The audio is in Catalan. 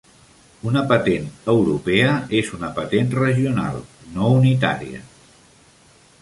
Una patent europea és una patent regional, no unitària.